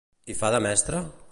I fa de mestra?